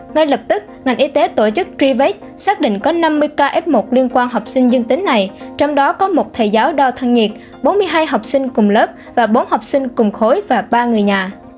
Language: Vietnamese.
ngay lập tức ngành y tế tổ chức trivet xác định có năm mươi kf một liên quan học sinh dân tính này trong đó có một thầy giáo đo thân nhiệt bốn mươi hai học sinh cùng lớp và bốn học sinh cùng khối và ba người nhà